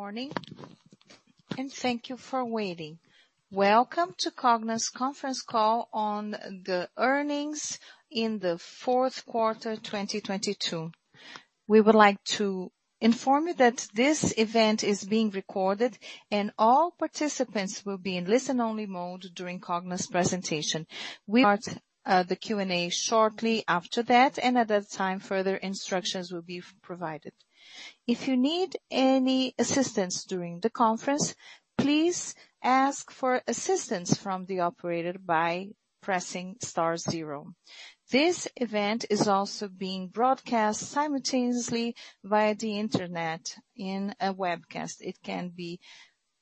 Good morning, and thank you for waiting. Welcome to Cogna's conference call on the earnings in the 4Q, 2022. We would like to inform you that this event is being recorded and all participants will be in listen-only mode during Cogna's presentation. We'll start the Q&A shortly after that, and at that time, further instructions will be provided. If you need any assistance during the conference, please ask for assistance from the operator by pressing star zero. This event is also being broadcast simultaneously via the Internet in a webcast. It can be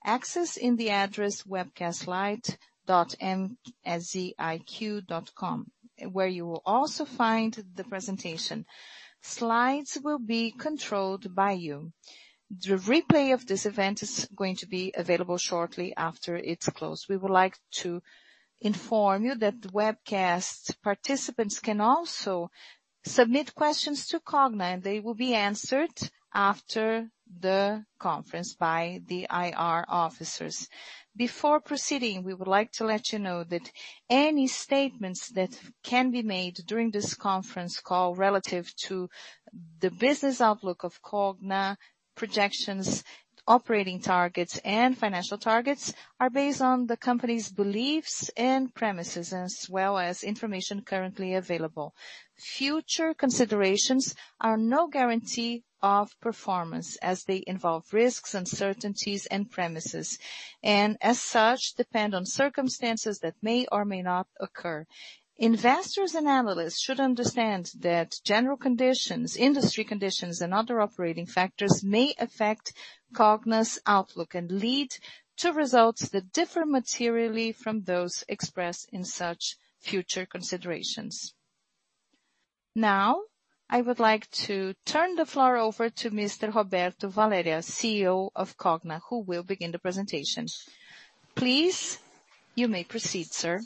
accessed in the address webcastlite.ms-iq.com, where you will also find the presentation. Slides will be controlled by you. The replay of this event is going to be available shortly after it's closed. We would like to inform you that the webcast participants can also submit questions to Cogna, and they will be answered after the conference by the IR officers. Before proceeding, we would like to let you know that any statements that can be made during this conference call relative to the business outlook of Cogna, projections, operating targets, and financial targets are based on the company's beliefs and premises, as well as information currently available. Future considerations are no guarantee of performance as they involve risks, uncertainties, and premises, and as such, depend on circumstances that may or may not occur. Investors and analysts should understand that general conditions, industry conditions, and other operating factors may affect Cogna's outlook and lead to results that differ materially from those expressed in such future considerations. Now, I would like to turn the floor over to Mr. Roberto Valério, CEO of Cogna, who will begin the presentation. Please, you may proceed, sir.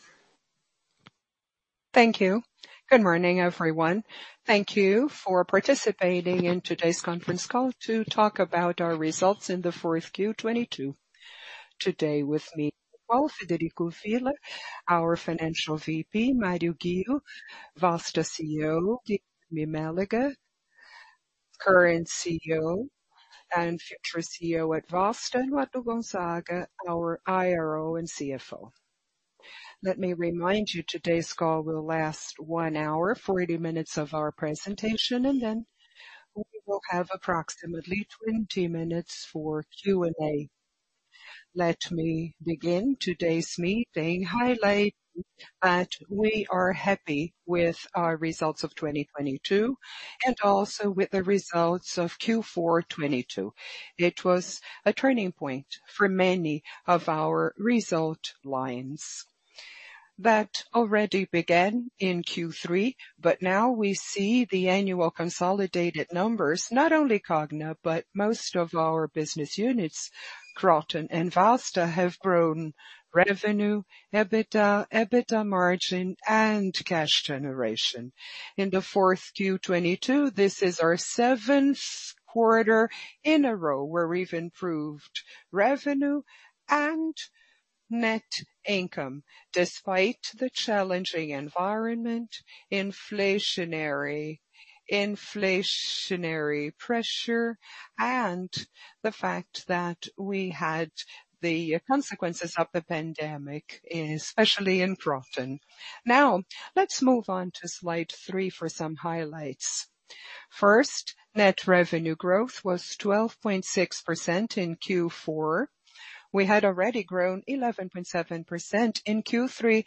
Thank you. Good morning, everyone. Thank you for participating in today's conference call to talk about our results in the Q4 2022. Today with me, well, Frederico Villa, our Financial VP, Mário Ghio, Vasta CEO, Guilherme Mélega, current CEO and future CEO at Vasta, and Eduardo Gonzaga, our IRO and CFO. Let me remind you today's call will last 1 hour, 40 minutes of our presentation, and then we will have approximately 20 minutes for Q&A. Let me begin today's meeting highlighting that we are happy with our results of 2022 and also with the results of Q4 2022. It was a turning point for many of our result lines. That already began in Q3, but now we see the annual consolidated numbers, not only Cogna, but most of our business units, Kroton and Vasta, have grown revenue, EBITDA margin, and cash generation. In the 4Q 2022, this is our seventh quarter in a row where we've improved revenue and net income despite the challenging environment, inflationary pressure, and the fact that we had the consequences of the pandemic, especially in Kroton. Let's move on to slide 3 for some highlights. Net revenue growth was 12.6% in Q4. We had already grown 11.7% in Q3.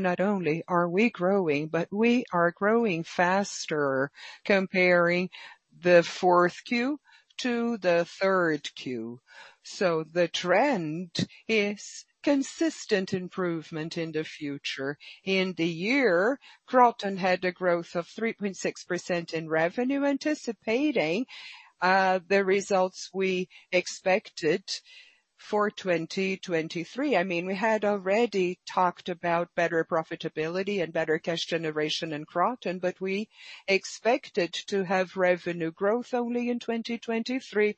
Not only are we growing, but we are growing faster comparing the 4Q to the 3Q. The trend is consistent improvement in the future. In the year, Kroton had a growth of 3.6% in revenue, anticipating the results we expected for 2023. I mean, we had already talked about better profitability and better cash generation in Kroton, we expected to have revenue growth only in 2023.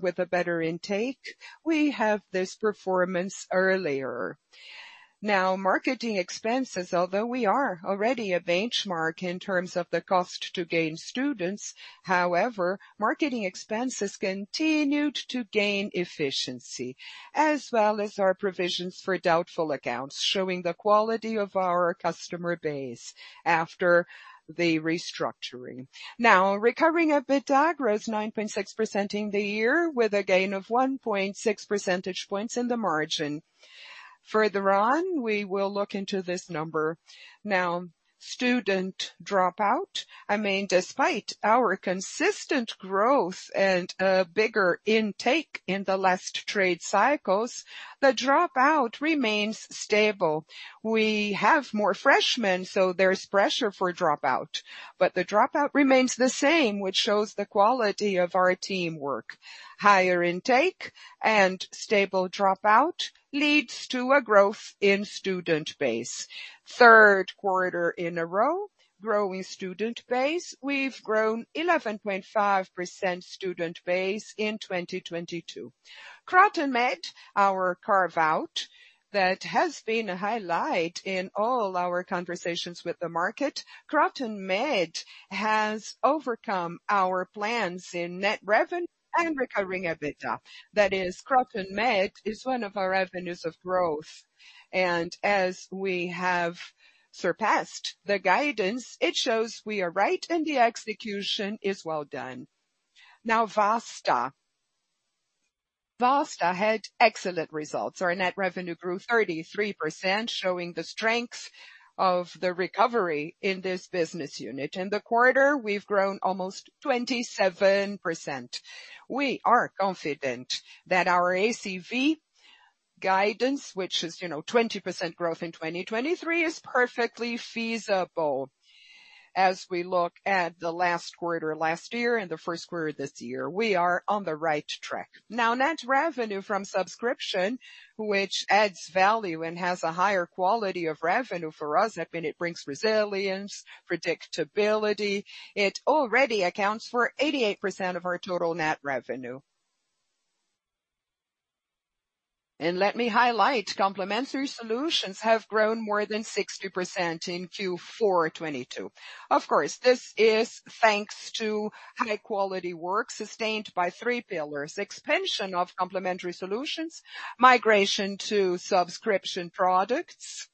With a better intake, we have this performance earlier. Marketing expenses, although we are already a benchmark in terms of the cost to gain students, however, marketing expenses continued to gain efficiency as well as our provisions for doubtful accounts, showing the quality of our customer base after the restructuring. Recovering EBITDA grows 9.6% in the year with a gain of 1.6 percentage points in the margin. Further on, we will look into this number. Student dropout. I mean, despite our consistent growth and bigger intake in the last trade cycles, the dropout remains stable. We have more freshmen, so there's pressure for dropout, but the dropout remains the same, which shows the quality of our teamwork. Higher intake and stable dropout leads to a growth in student base. Third quarter in a row, growing student base. We've grown 11.5% student base in 2022. KrotonMed, our carve-out that has been a highlight in all our conversations with the market. KrotonMed has overcome our plans in net revenue and recurring EBITDA. That is, KrotonMed is one of our avenues of growth. As we have surpassed the guidance, it shows we are right and the execution is well done. Now Vasta. Vasta had excellent results. Our net revenue grew 33%, showing the strength of the recovery in this business unit. In the quarter, we've grown almost 27%. We are confident that our ACV guidance, which is, you know, 20% growth in 2023, is perfectly feasible as we look at the last quarter last year and the first quarter this year. We are on the right track. Net revenue from subscription, which adds value and has a higher quality of revenue for us. I mean, it brings resilience, predictability. It already accounts for 88% of our total net revenue. Let me highlight, complementary solutions have grown more than 60% in Q4 '22. This is thanks to high-quality work sustained by three pillars: expansion of complementary solutions, migration to subscription products,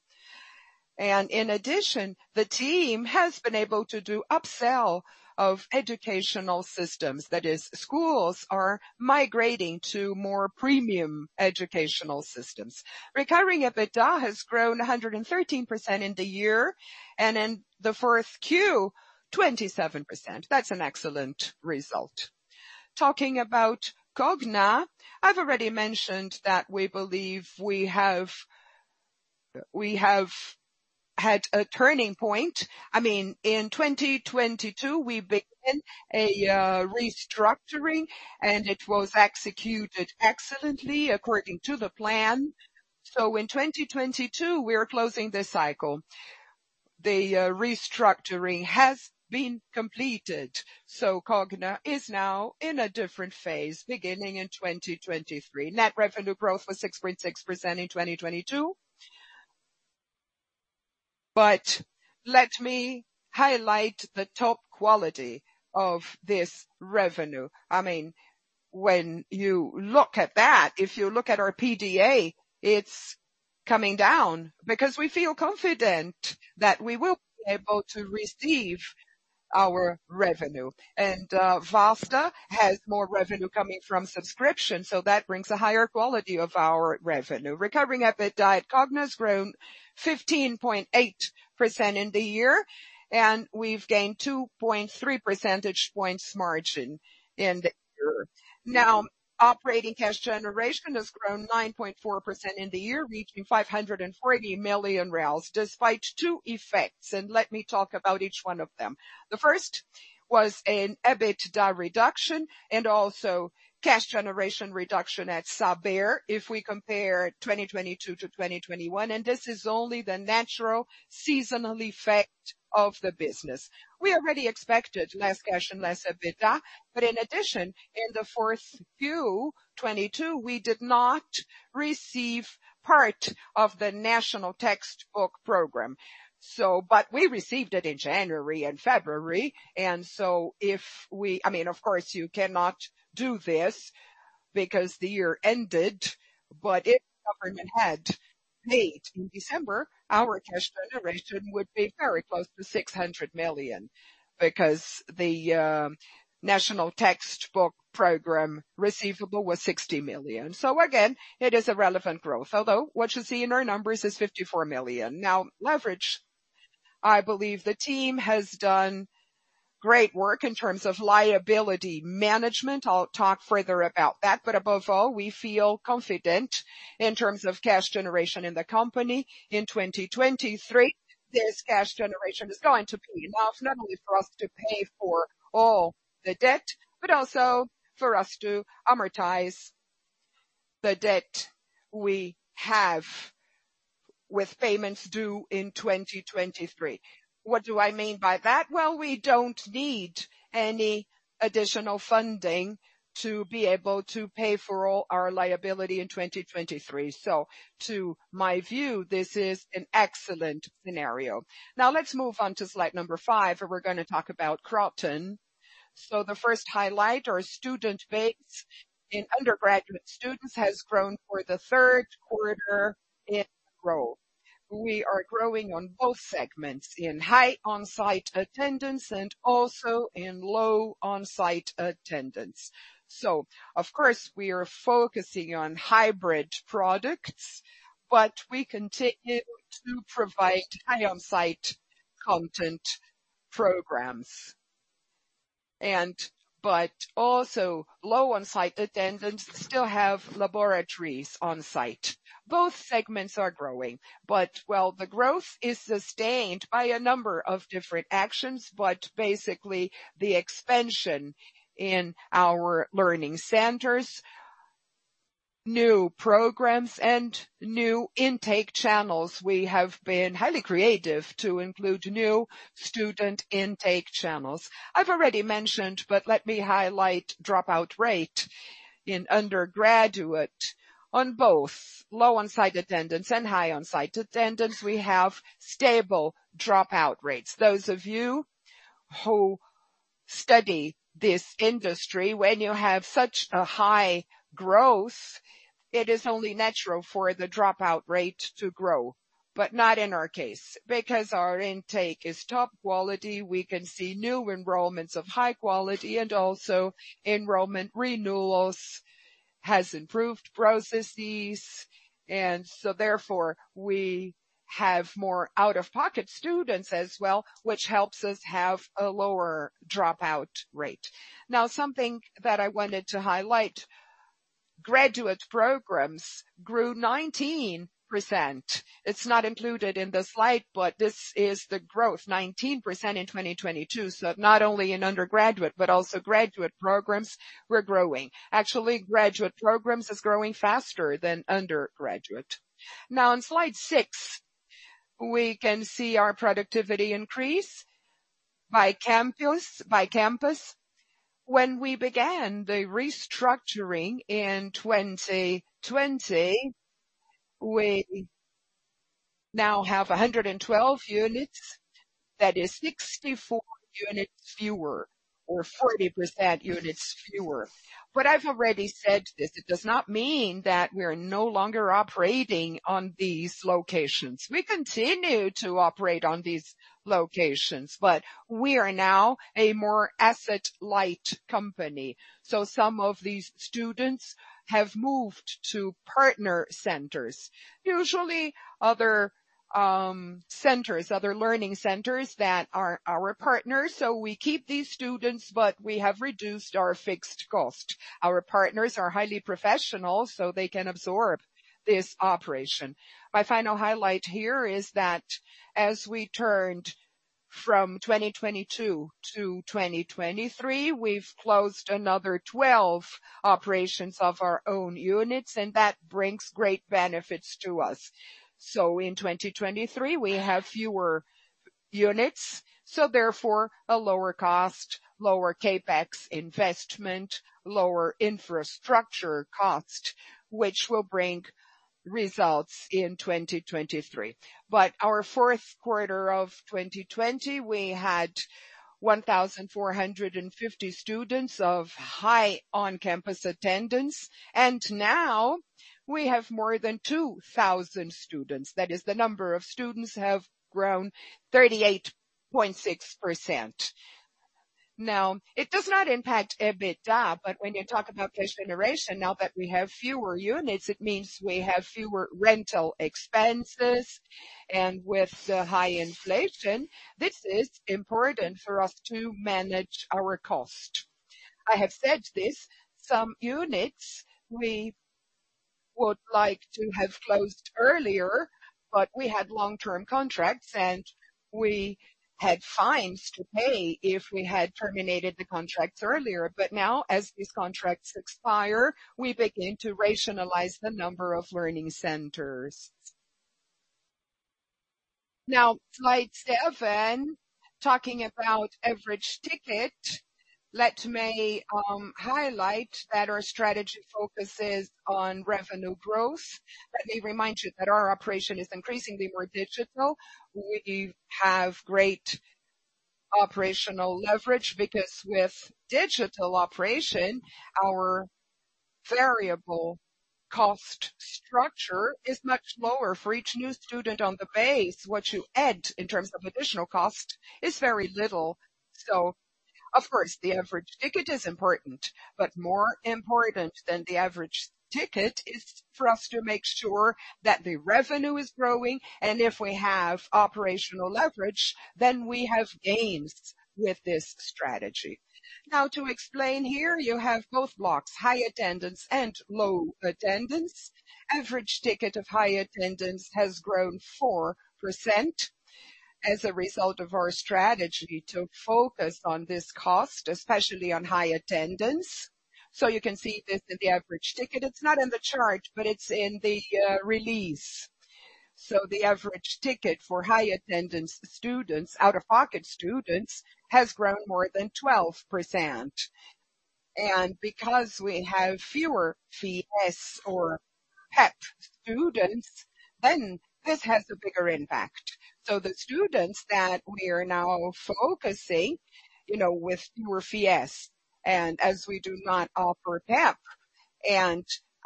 and in addition, the team has been able to do upsell of educational systems. Schools are migrating to more premium educational systems. Recurring EBITDA has grown 113% in the year, and in the fourth Q, 27%. That's an excellent result. Talking about Cogna, I've already mentioned that we believe we have had a turning point. I mean, in 2022, we began a restructuring, and it was executed excellently according to the plan. In 2022, we are closing this cycle. The restructuring has been completed, Cogna is now in a different phase beginning in 2023. Net revenue growth was 6.6% in 2022. Let me highlight the top quality of this revenue. I mean, when you look at that, if you look at our PDA, it's coming down because we feel confident that we will be able to receive our revenue. Vasta has more revenue coming from subscription, that brings a higher quality of our revenue. Recovering EBITDA at Cogna has grown 15.8% in the year, and we've gained 2.3 percentage points margin in the year. Now, operating cash generation has grown 9.4% in the year, reaching 540 million despite two effects, and let me talk about each one of them. The first was an EBITDA reduction and also cash generation reduction at Saber if we compare 2022 to 2021, and this is only the natural seasonal effect of the business. We already expected less cash and less EBITDA, in addition, in the 4Q 2022, we did not receive part of the National Textbook Program, we received it in January and February. if we... I mean, of course, you cannot do this because the year ended, but if the government had paid in December, our cash generation would be very close to 600 million because the National Textbook Program receivable was 60 million. Again, it is a relevant growth, although what you see in our numbers is 54 million. Now, leverage. I believe the team has done great work in terms of liability management. I'll talk further about that. Above all, we feel confident in terms of cash generation in the company. In 2023, this cash generation is going to be enough, not only for us to pay for all the debt, but also for us to amortize the debt we have with payments due in 2023. What do I mean by that? Well, we don't need any additional funding to be able to pay for all our liability in 2023. To my view, this is an excellent scenario. Now let's move on to slide 5, where we're gonna talk about Kroton. The first highlight, our student base in undergraduate students has grown for the third quarter in a row. We are growing on both segments, in high on-site attendance and also in low on-site attendance. Also low on-site attendance still have laboratories on site. Both segments are growing, but while the growth is sustained by a number of different actions, but basically the expansion in our learning centers, new programs, and new intake channels. We have been highly creative to include new student intake channels. I've already mentioned, but let me highlight dropout rate in undergraduate on both low on-site attendance and high on-site attendance, we have stable dropout rates. Those of you who study this industry, when you have such a high growth, it is only natural for the dropout rate to grow. Not in our case, because our intake is top quality, we can see new enrollments of high quality, and also enrollment renewals has improved processes. Therefore, we have more out-of-pocket students as well, which helps us have a lower dropout rate. Now, something that I wanted to highlight, graduate programs grew 19%. It's not included in the slide, but this is the growth, 19% in 2022. Not only in undergraduate, but also graduate programs, we're growing. Actually, graduate programs is growing faster than undergraduate. On slide six, we can see our productivity increase by campus, by campus. When we began the restructuring in 2020, we now have 112 units. That is 64 units fewer, or 40% units fewer. I've already said this, it does not mean that we're no longer operating on these locations. We continue to operate on these locations, but we are now a more asset-light company. Some of these students have moved to partner centers. Usually other centers, other learning centers that are our partners. We keep these students, but we have reduced our fixed cost. Our partners are highly professional, so they can absorb this operation. My final highlight here is that as we turned from 2022 to 2023, we've closed another 12 operations of our own units, and that brings great benefits to us. In 2023 we have fewer units, therefore a lower cost, lower CapEx investment, lower infrastructure cost, which will bring results in 2023. Our 4Q of 2020, we had 1,450 students of high on-campus attendance, and now we have more than 2,000 students. That is the number of students have grown 38.6%. It does not impact EBITDA, but when you talk about cash generation, now that we have fewer units, it means we have fewer rental expenses. With the high inflation, this is important for us to manage our cost. I have said this, some units we would like to have closed earlier, but we had long-term contracts, and we had fines to pay if we had terminated the contracts earlier. As these contracts expire, we begin to rationalize the number of learning centers. Slide seven, talking about average ticket. Let me highlight that our strategy focuses on revenue growth. Let me remind you that our operation is increasingly more digital. We have great operational leverage because with digital operation, our variable cost structure is much lower. For each new student on the base, what you add in terms of additional cost is very little. Of course, the average ticket is important, but more important than the average ticket is for us to make sure that the revenue is growing, and if we have operational leverage, then we have gains with this strategy. To explain here, you have both blocks, high attendance and low attendance. Average ticket of high attendance has grown 4% as a result of our strategy to focus on this cost, especially on high attendance. You can see this in the average ticket. It's not in the chart, but it's in the release. The average ticket for high-attendance students, out-of-pocket students, has grown more than 12%. Because we have fewer FIES or PEP students, then this has a bigger impact. The students that we are now focusing, you know, with fewer FIES, and as we do not offer PEP.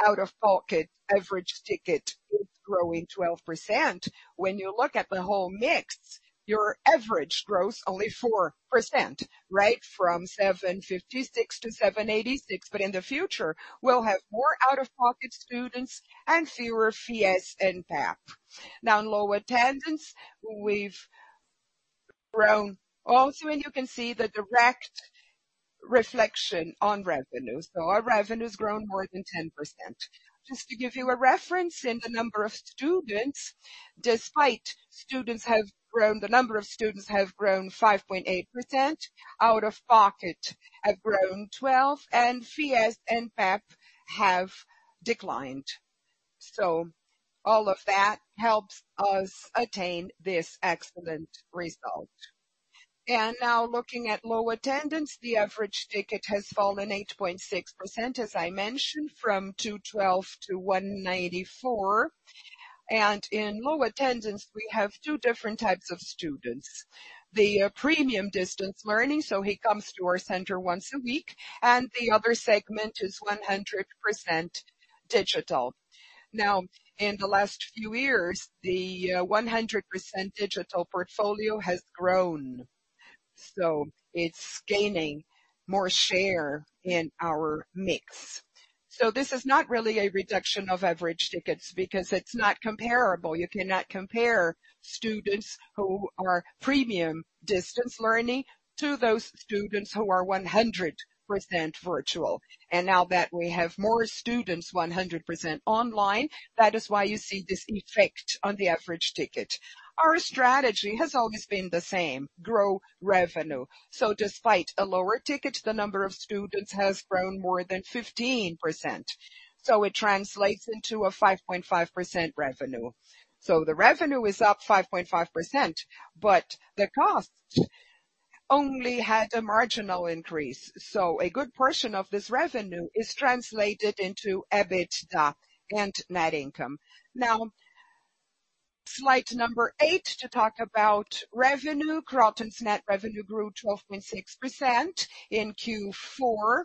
Out of pocket average ticket is growing 12%. When you look at the whole mix, your average growth only 4%, right? From 756 to 786. In the future, we'll have more out-of-pocket students and fewer FIES and PEP. In low attendance, we've grown also, you can see the direct reflection on revenues. Our revenue's grown more than 10%. Just to give you a reference in the number of students, despite students have grown, the number of students have grown 5.8%. Out of pocket have grown 12%, FIES and PEP have declined. All of that helps us attain this excellent result. Now looking at low attendance, the average ticket has fallen 8.6%, as I mentioned, from 212 to 194. In low attendance, we have two different types of students. The premium distance learning, he comes to our center once a week, and the other segment is 100% digital. In the last few years, the 100% digital portfolio has grown. It's gaining more share in our mix. This is not really a reduction of average tickets because it's not comparable. You cannot compare students who are premium distance learning to those students who are 100% virtual. Now that we have more students 100% online, that is why you see this effect on the average ticket. Our strategy has always been the same, grow revenue. Despite a lower ticket, the number of students has grown more than 15%. It translates into a 5.5% revenue. The revenue is up 5.5%. The cost only had a marginal increase. A good portion of this revenue is translated into EBITDA and net income. Slide number 8 to talk about revenue. Kroton's net revenue grew 12.6% in Q4.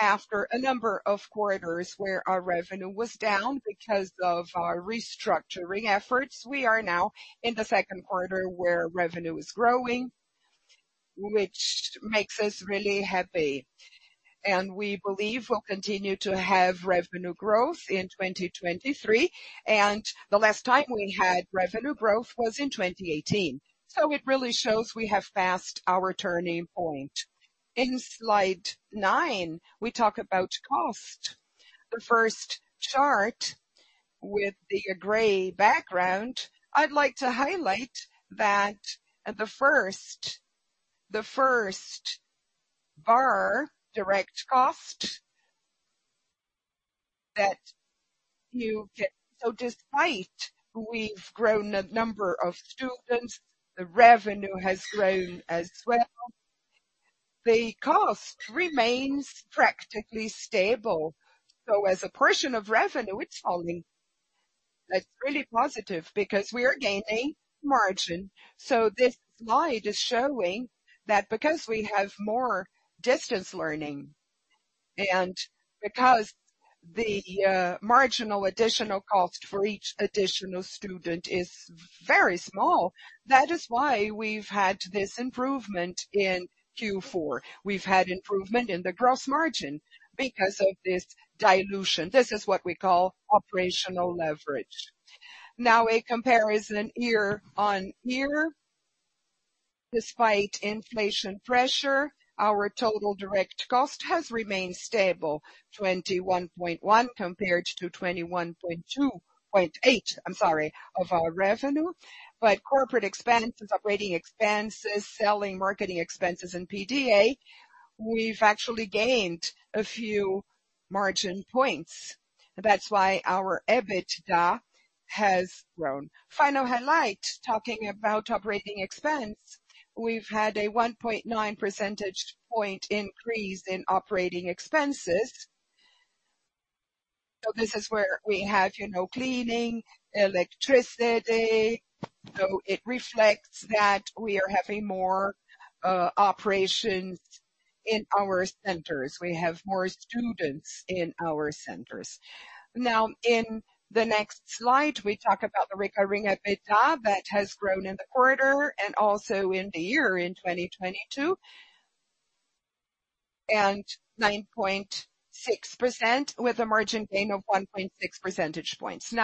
After a number of quarters where our revenue was down because of our restructuring efforts, we are now in the second quarter where revenue is growing, which makes us really happy. We believe we'll continue to have revenue growth in 2023. The last time we had revenue growth was in 2018. It really shows we have passed our turning point. In slide nine, we talk about cost. The first chart with the gray background, I'd like to highlight that at the first bar, direct cost, that you get. Despite we've grown a number of students, the revenue has grown as well. The cost remains practically stable. As a portion of revenue, it's falling. That's really positive because we are gaining margin. This slide is showing that because we have more distance learning and because the marginal additional cost for each additional student is very small, that is why we've had this improvement in Q4. We've had improvement in the gross margin because of this dilution. This is what we call operational leverage. A comparison year-on-year. Despite inflation pressure, our total direct cost has remained stable, 21.1% compared to 21.28%, I'm sorry, of our revenue. Corporate expenses, operating expenses, selling, marketing expenses in PDA, we've actually gained a few margin points. That's why our EBITDA has grown. Final highlight, talking about operating expense. We've had a 1.9 percentage point increase in operating expenses. This is where we have, you know, cleaning, electricity. It reflects that we are having more operations in our centers. In the next slide, we talk about the recurring EBITDA that has grown in the quarter and also in the year in 2022, and 9.6% with a margin gain of 1.6 percentage points.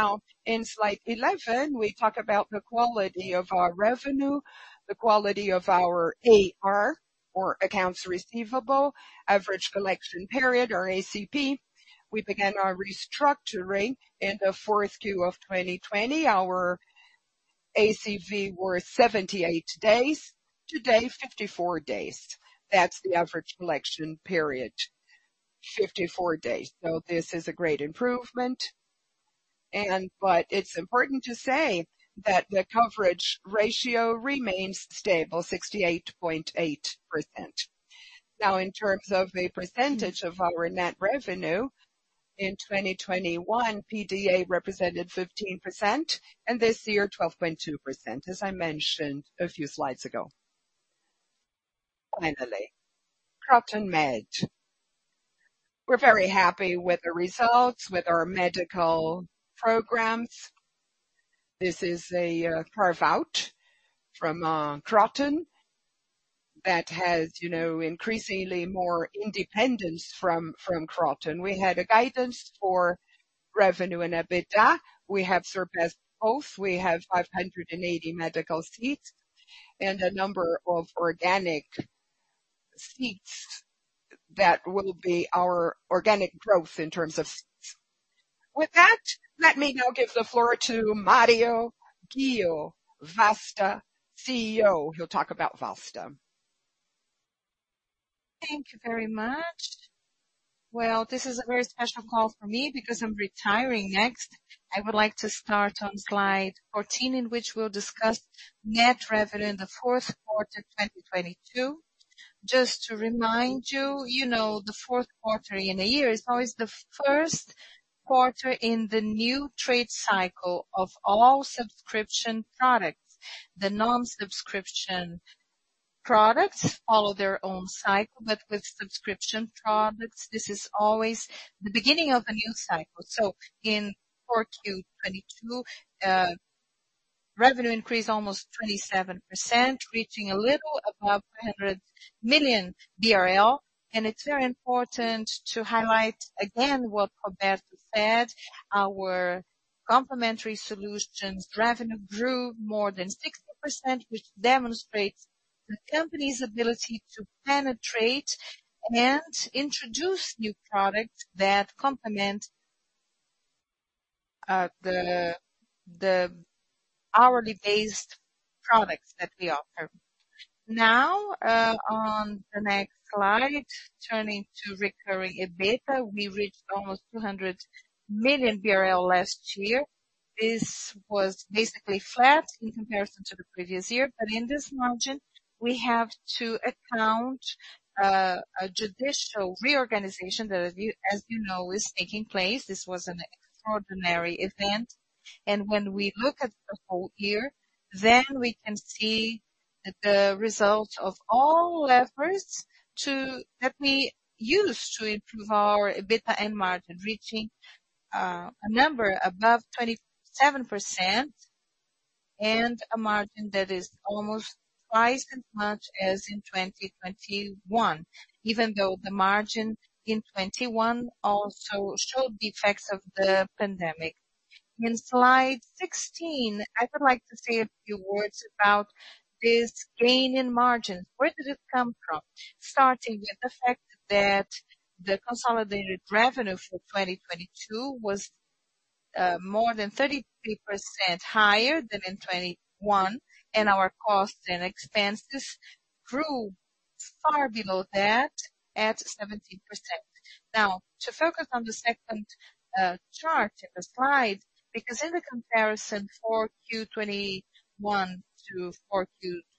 In slide 11, we talk about the quality of our revenue, the quality of our AR, or accounts receivable, average collection period or ACP. We began our restructuring in the fourth Q of 2020. Our ACV were 78 days. Today, 54 days. That's the average collection period, 54 days. This is a great improvement. It's important to say that the coverage ratio remains stable, 68.8%. In terms of a percentage of our net revenue, in 2021, PDA represented 15%, and this year, 12.2%, as I mentioned a few slides ago. KrotonMed. We're very happy with the results with our medical programs. This is a carve-out from Kroton that has, you know, increasingly more independence from Kroton. We had a guidance for revenue and EBITDA. We have surpassed both. We have 580 medical seats and a number of organic seats that will be our organic growth in terms of seats. Let me now give the floor to Mario Ghio, Vasta CEO. He'll talk about Vasta. Thank you very much. This is a very special call for me because I'm retiring next. I would like to start on slide 14, in which we'll discuss net revenue in the 4Q 2022. Just to remind you know, the 4Q in a year is always the 1Q in the new trade cycle of all subscription products. The non-subscription products follow their own cycle, but with subscription products, this is always the beginning of a new cycle. In 4Q 2022, revenue increased almost 27%, reaching a little above 100 million BRL. It's very important to highlight again what Roberto Valério said. Our complementary solutions revenue grew more than 60%, which demonstrates the company's ability to penetrate and introduce new products that complement the hourly-based products that we offer. On the next slide, turning to recurring EBITDA. We reached almost 200 million BRL last year. This was basically flat in comparison to the previous year. In this margin, we have to account a judicial reorganization that, as you know, is taking place. This was an extraordinary event. When we look at the whole year, we can see the result of all efforts that we used to improve our EBITDA and margin, reaching a number above 27% and a margin that is almost twice as much as in 2021, even though the margin in 2021 also showed the effects of the pandemic. In slide 16, I would like to say a few words about this gain in margins. Where did it come from? Starting with the fact that the consolidated revenue for 2022 was more than 33% higher than in 2021, our costs and expenses grew far below that at 17%. To focus on the second chart in the slide, because in the comparison 4Q 2021 to 4Q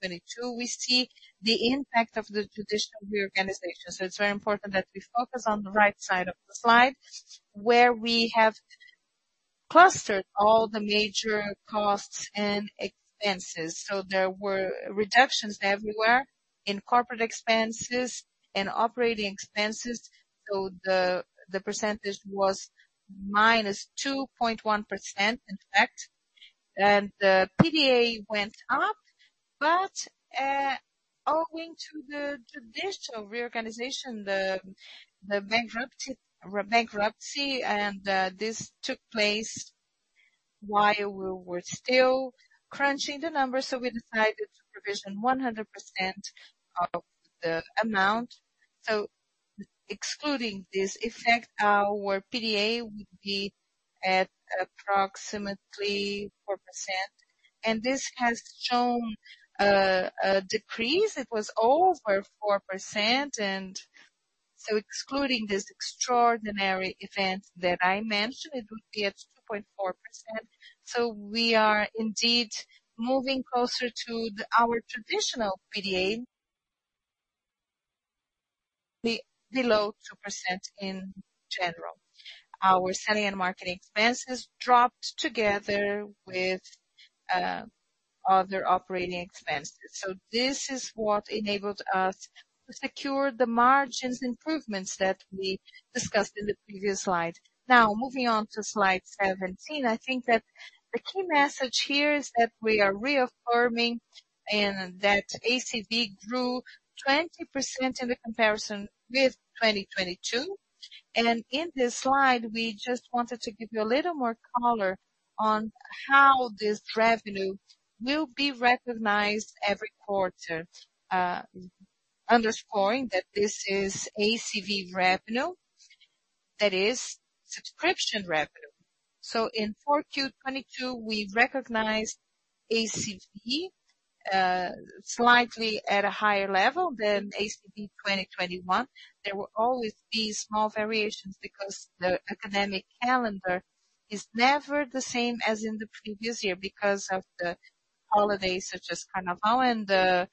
2022, we see the impact of the judicial reorganization. It's very important that we focus on the right side of the slide where we have clustered all the major costs and expenses. There were reductions everywhere in corporate expenses and operating expenses. The percentage was -2.1% in fact. The PDA went up. Owing to the judicial reorganization, the bankruptcy and this took place while we were still crunching the numbers, we decided to provision 100% of the amount. Excluding this effect, our PDA would be at approximately 4%. This has shown a decrease. It was over 4%. Excluding this extraordinary event that I mentioned, it would be at 2.4%. We are indeed moving closer to our traditional PDA below 2% in general. Our selling and marketing expenses dropped together with other operating expenses. This is what enabled us to secure the margins improvements that we discussed in the previous slide. Moving on to slide 17. I think that the key message here is that we are reaffirming and that ACV grew 20% in the comparison with 2022. In this slide, we just wanted to give you a little more color on how this revenue will be recognized every quarter. Underscoring that this is ACV revenue, that is subscription revenue. In 4Q 2022, we recognized ACV slightly at a higher level than ACV 2021. There will always be small variations because the academic calendar is never the same as in the previous year because of the holidays such as Carnival and the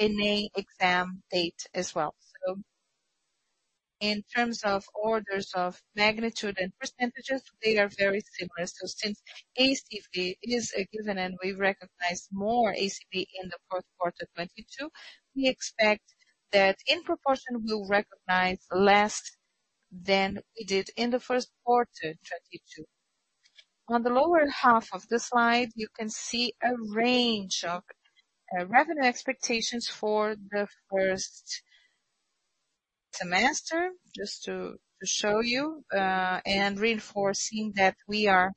ENEM exam date as well. In terms of orders of magnitude and percentages, they are very similar. Since ACV is a given and we recognize more ACV in 4Q 2022, we expect that in proportion, we'll recognize less than we did in 1Q 2022. On the lower half of the slide, you can see a range of revenue expectations for the 1st semester, just to show you, and reinforcing that we are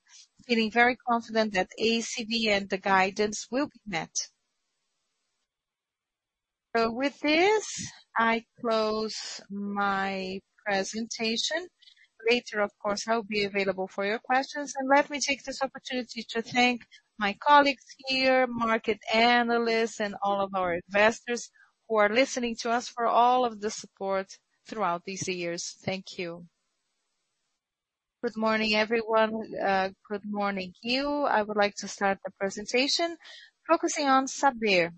feeling very confident that ACV and the guidance will be met. With this, I close my presentation. Later, of course, I'll be available for your questions. Let me take this opportunity to thank my colleagues here, market analysts and all of our investors who are listening to us for all of the support throughout these years. Thank you. Good morning, everyone. Good morning, Gil. I would like to start the presentation focusing on Saber.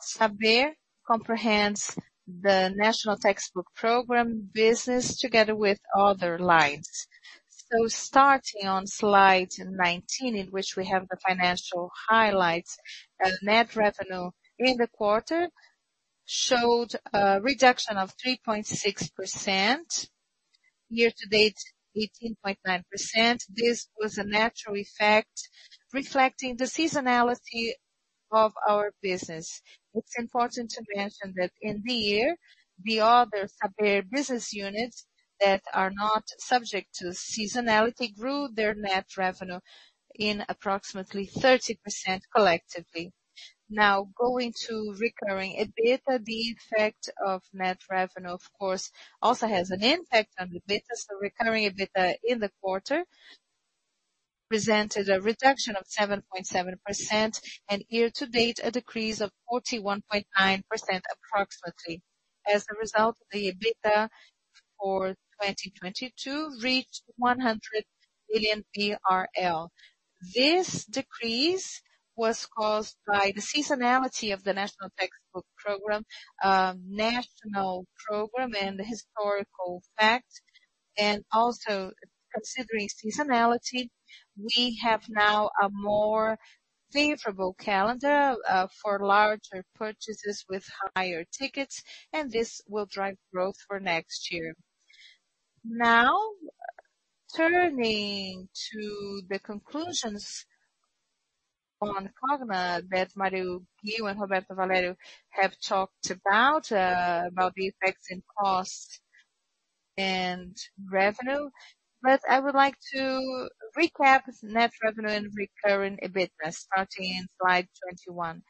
Saber comprehends the National Textbook Program business together with other lines. Starting on slide 19, in which we have the financial highlights, net revenue in the quarter showed a reduction of 3.6%. Year-to-date, 18.9%. This was a natural effect reflecting the seasonality of our business. It's important to mention that in the year, the other Saber business units that are not subject to seasonality grew their net revenue in approximately 30% collectively. Now going to recurring EBITDA, the effect of net revenue, of course, also has an impact on the EBITDA. Recurring EBITDA in the quarter presented a reduction of 7.7%, and year-to-date a decrease of 41.9% approximately. As a result, the EBITDA for 2022 reached BRL 100 billion. This decrease was caused by the seasonality of the National Textbook Program, national program and the historical fact. Also considering seasonality, we have now a more favorable calendar for larger purchases with higher tickets, and this will drive growth for next year. Now, turning to the conclusions on Cogna that Mário Ghio, Gil and Roberto Valério have talked about the effects in cost and revenue. I would like to recap net revenue and recurring EBITDA starting in slide 21.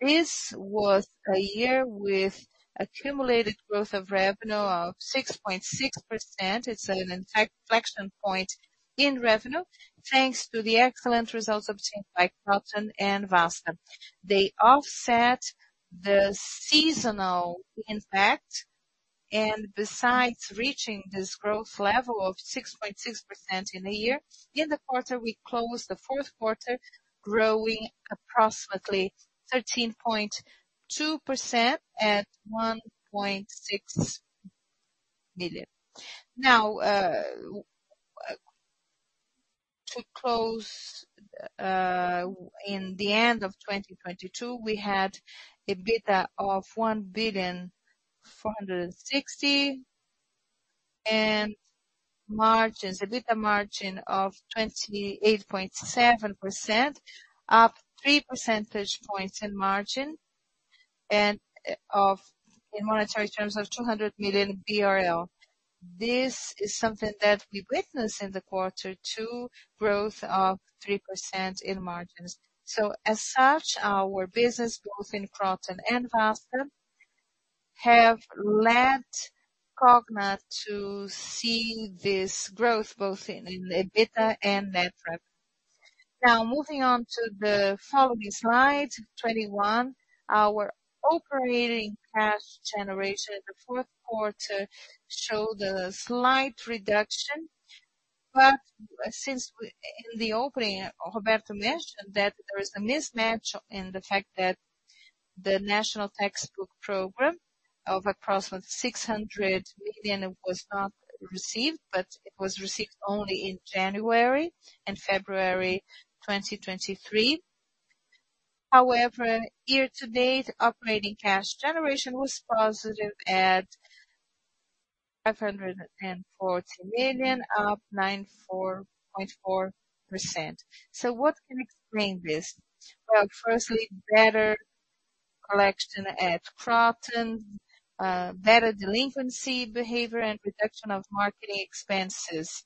This was a year with accumulated growth of revenue of 6.6%. It's an inflection point in revenue thanks to the excellent results obtained by Kroton and Vasta. They offset the seasonal impact. Besides reaching this growth level of 6.6% in the year, in the quarter we closed the 4Q growing approximately 13.2% at BRL 1.6 billion. Now, to close, in the end of 2022, we had EBITDA of 1.46 billion and margins, EBITDA margin of 28.7%, up 3 percentage points in margin and in monetary terms of 200 million BRL. This is something that we witnessed in the quarter too, growth of 3% in margins. As such, our business both in Kroton and Vasta have led Cogna to see this growth both in EBITDA and net revenue. Moving on to the following slide, 21. Our operating cash generation in the 4Q showed a slight reduction. Since in the opening, Roberto Valério mentioned that there is a mismatch in the fact that the National Textbook Program of approximately 600 million was not received, but it was received only in January and February 2023. Year-to-date.operating cash generation was positive at BRL 540 million, up 94.4%. What can explain this? Firstly, better collection at Kroton, better delinquency behavior and reduction of marketing expenses.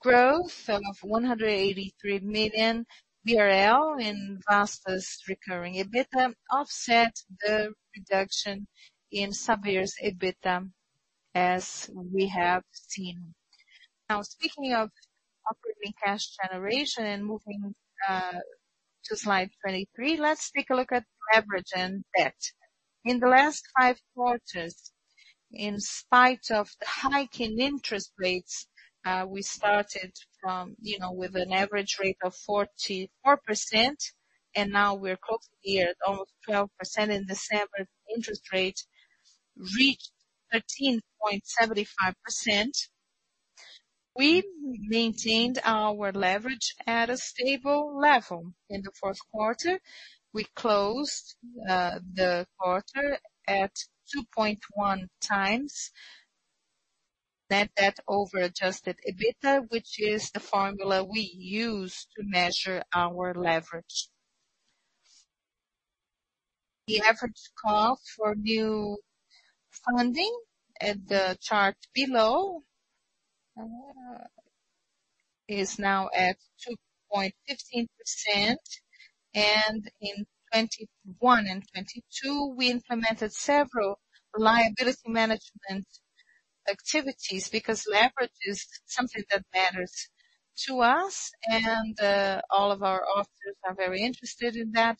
Growth of 183 million BRL in Vasta's recurring EBITDA offset the reduction in Saber's EBITDA, as we have seen. Now speaking of operating cash generation, moving to slide 23, let's take a look at leverage and debt. In the last five quarters, in spite of the hike in interest rates, we started from, you know, with an average rate of 44%. Now we're closing the year at almost 12%. In December, interest rate reached 13.75%. We maintained our leverage at a stable level. In the 4Q, we closed the quarter at 2.1x net debt over Adjusted EBITDA, which is the formula we use to measure our leverage. The average cost for new funding at the chart below is now at 2.15%. In 2021 and 2022, we implemented several liability management activities because leverage is something that matters to us, and all of our authors are very interested in that.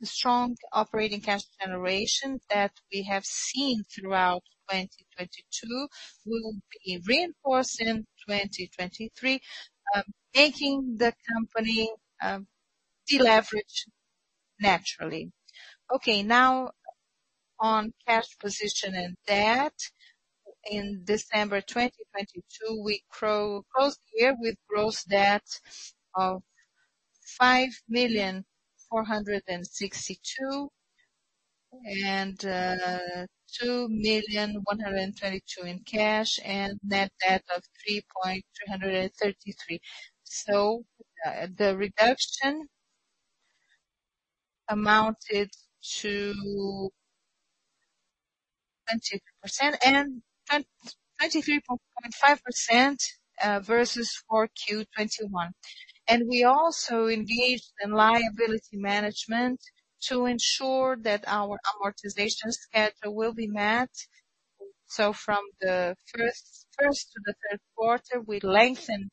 The strong operating cash generation that we have seen throughout 2022 will be reinforced in 2023, making the company deleverage naturally. Now on cash position and debt. In December 2022, we closed the year with gross debt of 5,462 million and 2,132 million in cash and net debt of 3,333 million. The reduction amounted to 20% and 23.5% versus 4Q 2021. We also engaged in liability management to ensure that our amortization schedule will be met. From the first to the third quarter, we lengthened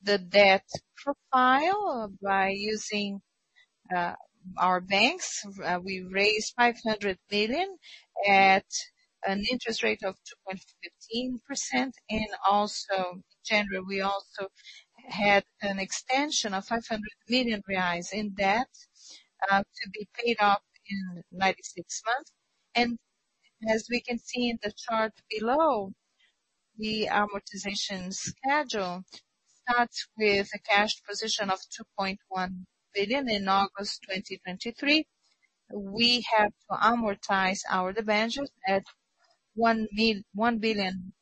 the debt profile by using our banks. We raised 500 million at an interest rate of 2.15%. Also in January, we also had an extension of 500 million reais in debt to be paid off in 96 months. As we can see in the chart below, the amortization schedule starts with a cash position of 2.1 billion in August 2023. We have to amortize our debentures at 1.062 billion.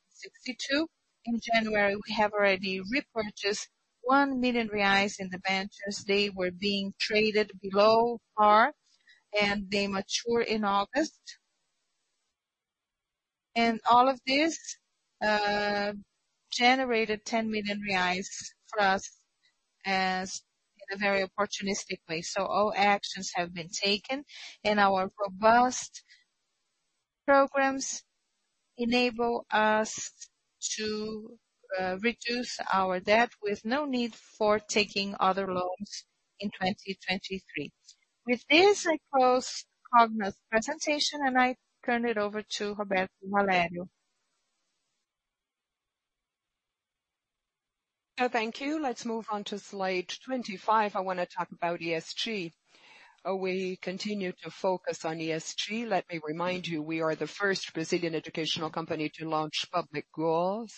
In January, we have already repurchased 1 million reais in debentures. They were being traded below par, and they mature in August. All of this generated 10 million reais for us as in a very opportunistic way. All actions have been taken, and our robust programs enable us to reduce our debt with no need for taking other loans in 2023. With this, I close Cogna's presentation, and I turn it over to Roberto Valerio. Thank you. Let's move on to slide 25. I wanna talk about ESG. We continue to focus on ESG. Let me remind you, we are the first Brazilian educational company to launch public goals.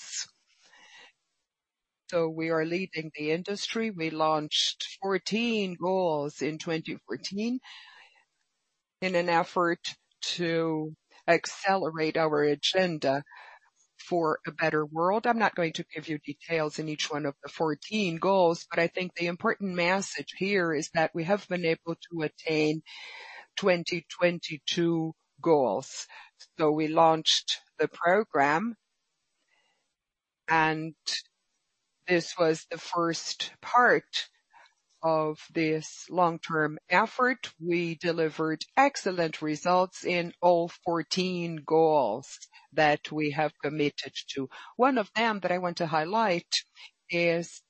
We are leading the industry. We launched 14 goals in 2014 in an effort to accelerate our agenda for a better world. I'm not going to give you details in each one of the 14 goals, but I think the important message here is that we have been able to attain 2022 goals. We launched the program, and this was the first part of this long-term effort. We delivered excellent results in all 14 goals that we have committed to. One of them that I want to highlight is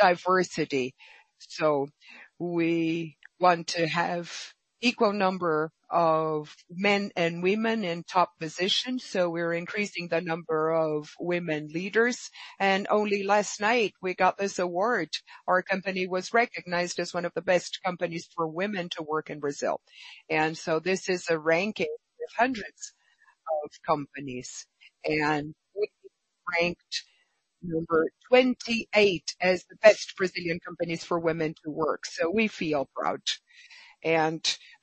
diversity. We want to have equal number of men and women in top positions, so we're increasing the number of women leaders. Only last night we got this award. Our company was recognized as one of the best companies for women to work in Brazil. This is a ranking of hundreds of companies, and we ranked number 28 as the best Brazilian companies for women to work. We feel proud.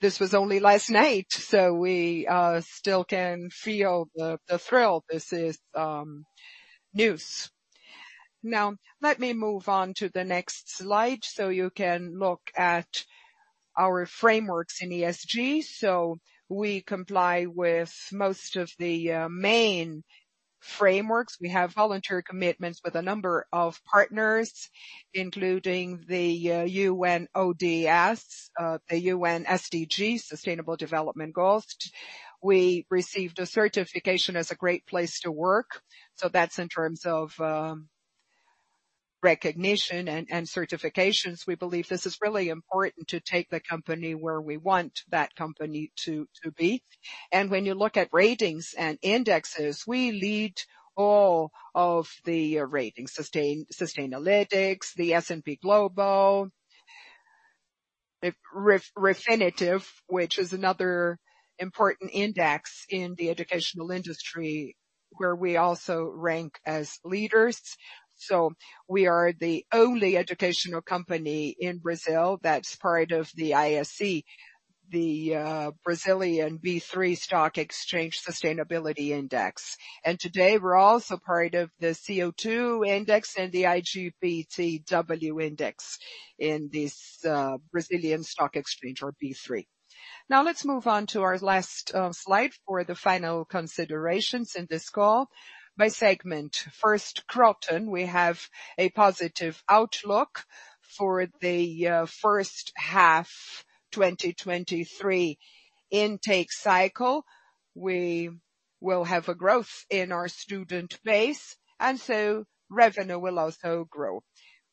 This was only last night, so we still can feel the thrill. This is news. Now let me move on to the next slide, so you can look at our frameworks in ESG. We comply with most of the main frameworks. We have voluntary commitments with a number of partners, including the UN SDGs, Sustainable Development Goals. We received a certification as a Great Place to Work, that's in terms of recognition and certifications. We believe this is really important to take the company where we want that company to be. When you look at ratings and indexes, we lead all of the ratings, Sustainalytics, the S&P Global, Refinitiv, which is another important index in the educational industry where we also rank as leaders. We are the only educational company in Brazil that's part of the ISE, the Brazilian B3 Stock Exchange Sustainability Index. Today we're also part of the CO2 index and the IGPTW index in this Brazilian stock exchange or B3. Let's move on to our last slide for the final considerations in this call by segment. First, Kroton, we have a positive outlook for the first half 2023 intake cycle. We will have a growth in our student base, revenue will also grow.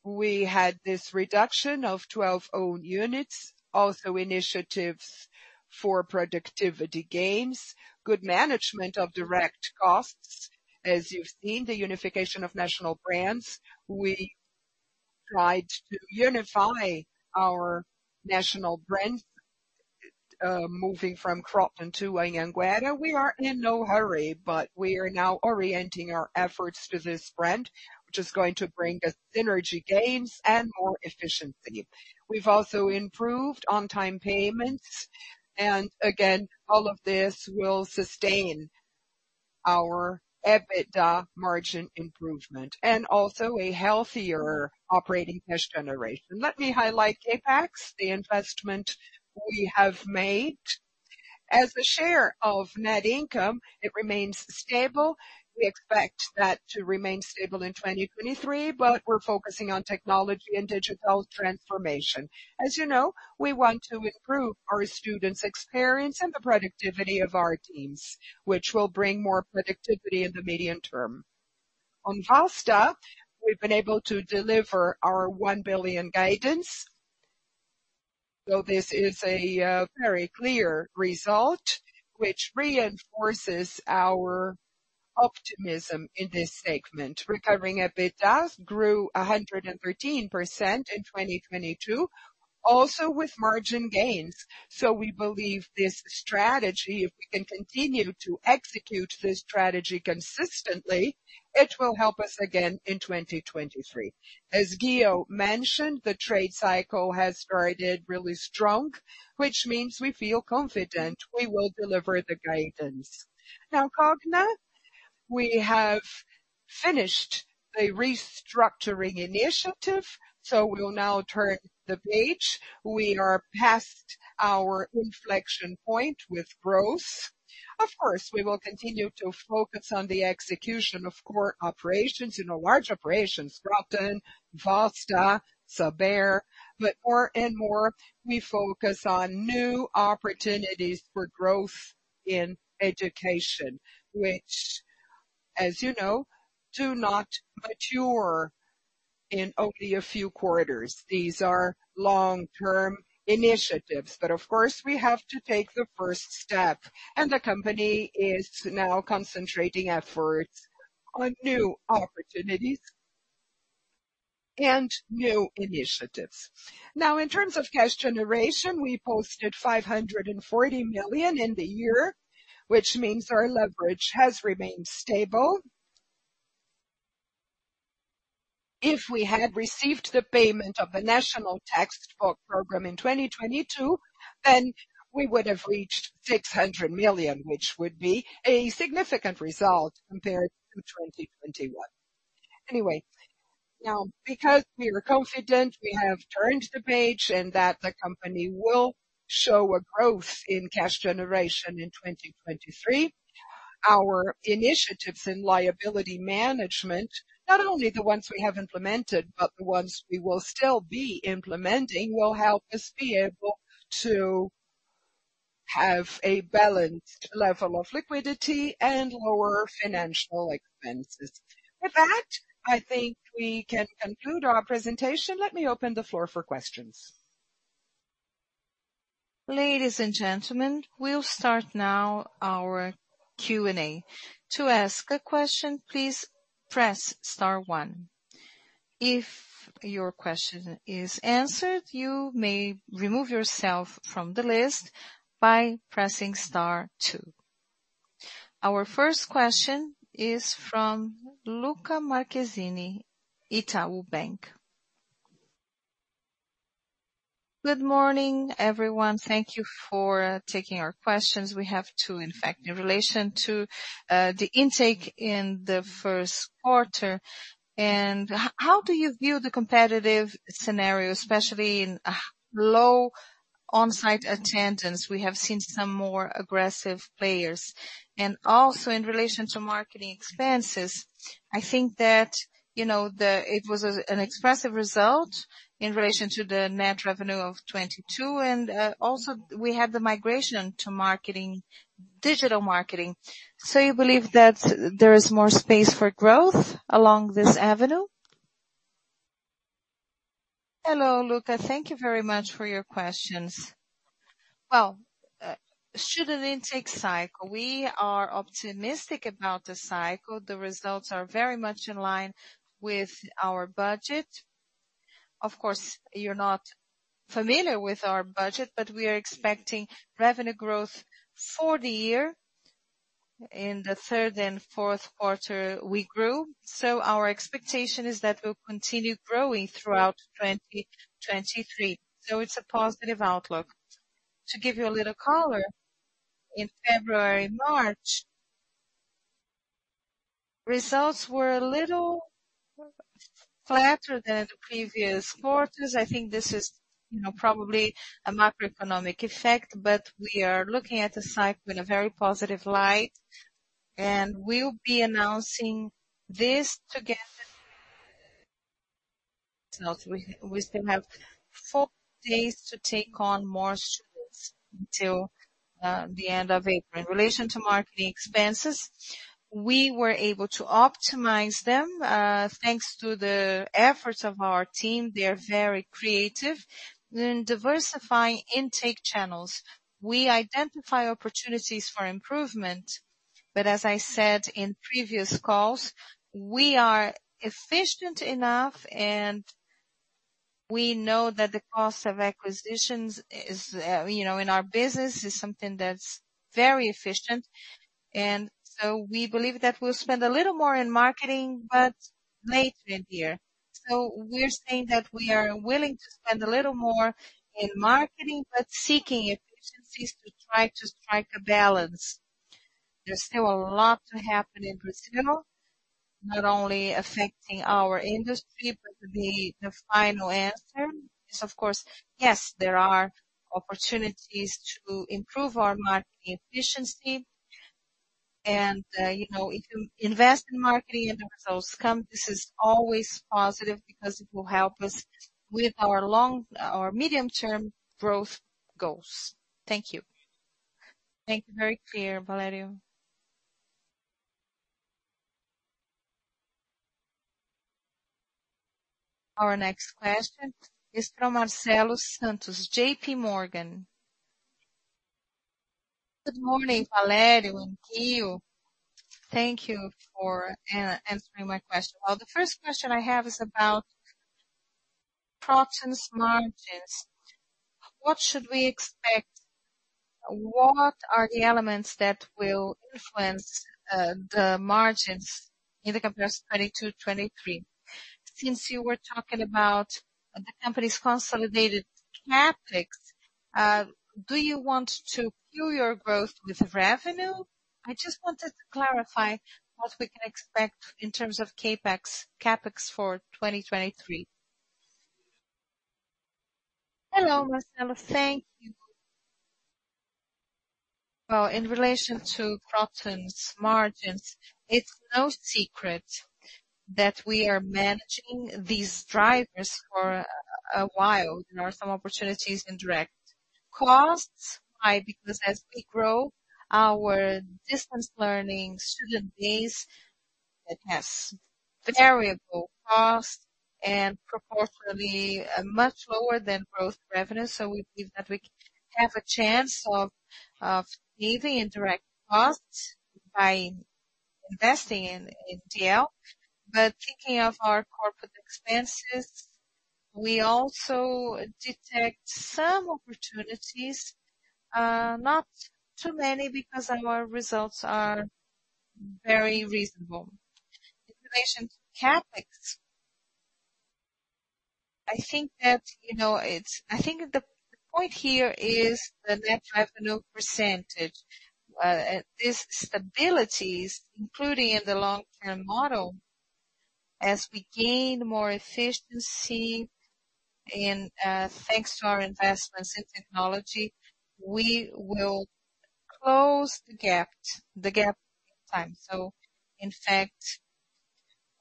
We had this reduction of 12 own units, also initiatives for productivity gains, good management of direct costs. As you've seen, the unification of national brands. We tried to unify our national brand, moving from Kroton to Anhanguera. We are in no hurry, we are now orienting our efforts to this brand, which is going to bring us synergy gains and more efficiency. We've also improved on-time payments, again, all of this will sustain our EBITDA margin improvement and also a healthier operating cash generation. Let me highlight CapEx, the investment we have made. As a share of net income, it remains stable. We expect that to remain stable in 2023, we're focusing on technology and digital transformation. As you know, we want to improve our students' experience and the productivity of our teams, which will bring more productivity in the medium term. On Vasta, we've been able to deliver our 1 billion guidance. This is a very clear result which reinforces our optimism in this segment. Recovering EBITDAs grew 113% in 2022, also with margin gains. We believe this strategy, if we can continue to execute this strategy consistently, it will help us again in 2023. As Ghio mentioned, the trade cycle has started really strong, which means we feel confident we will deliver the guidance. Cogna, we have finished a restructuring initiative, so we will now turn the page. We are past our inflection point with growth. Of course, we will continue to focus on the execution of core operations, you know, large operations, Kroton, Vasta, Saber, more and more, we focus on new opportunities for growth in education, which, as you know, do not mature in only a few quarters. These are long-term initiatives. Of course, we have to take the first step, and the company is now concentrating efforts on new opportunities and new initiatives. In terms of cash generation, we posted 540 million in the year, which means our leverage has remained stable. If we had received the payment of the National Textbook Program in 2022, then we would have reached 600 million, which would be a significant result compared to 2021. Anyway, now, because we are confident we have turned the page and that the company will show a growth in cash generation in 2023, our initiatives in liability management, not only the ones we have implemented, but the ones we will still be implementing, will help us be able to have a balanced level of liquidity and lower financial expenses. With that, I think we can conclude our presentation. Let me open the floor for questions. Ladies and gentlemen, we'll start now our Q&A. To ask a question, please press star one. If your question is answered, you may remove yourself from the list by pressing star two. Our first question is from Luca Marchesini, Itaú BBA. Good morning, everyone. Thank you for taking our questions. We have two, in fact. In relation to the intake in the first quarter and how do you view the competitive scenario, especially in low on-site attendance? We have seen some more aggressive players. Also in relation to marketing expenses, I think that, you know, it was an expressive result in relation to the net revenue of 22, and also we have the migration to marketing, digital marketing. You believe that there is more space for growth along this avenue? Hello, Luca. Thank you very much for your questions. Student intake cycle. We are optimistic about the cycle. The results are very much in line with our budget. Of course, you're not familiar with our budget, but we are expecting revenue growth for the year. In the third and 4Q, we grew. Our expectation is that we'll continue growing throughout 2023. It's a positive outlook. To give you a little color, in February and March, results were a little flatter than the previous quarters. I think this is, you know, probably a macroeconomic effect, but we are looking at the cycle in a very positive light, and we'll be announcing this together. We still have 4 days to take on more students until the end of April. In relation to marketing expenses, we were able to optimize them thanks to the efforts of our team. They are very creative in diversifying intake channels. We identify opportunities for improvement. As I said in previous calls, we are efficient enough and we know that the cost of acquisitions is, you know, in our business is something that's very efficient. We believe that we'll spend a little more in marketing, but later in the year. We're saying that we are willing to spend a little more in marketing, but seeking efficiencies to try to strike a balance. There's still a lot to happen in Brazil, not only affecting our industry, but the final answer is, of course, yes, there are opportunities to improve our marketing efficiency. You know, if you invest in marketing and the results come, this is always positive because it will help us with our medium-term growth goals. Thank you. Thank you. Very clear, Valerio. Our next question is from Marcelo Santos, JPMorgan. Good morning, Valério and Ghio. Thank you for answering my question. Well, the first question I have is about Kroton's margins. What should we expect? What are the elements that will influence the margins in the comparison 2022, 2023? Since you were talking about the company's consolidated CapEx, do you want to fuel your growth with revenue? I just wanted to clarify what we can expect in terms of CapEx for 2023. Hello, Marcelo. Thank you. Well, in relation to Kroton's margins, it's no secret that we are managing these drivers for a while. There are some opportunities in direct costs. Why? Because as we grow our distance learning student base, it has variable costs and proportionally much lower than growth revenue. We believe that we have a chance of leaving indirect costs by investing in DL. Thinking of our corporate expenses, we also detect some opportunities, not too many because our results are very reasonable. In relation to CapEx, I think the point here is the net revenue percentage. This stability is including in the long-term model. As we gain more efficiency and thanks to our investments in technology, we will close the gap in time. In fact,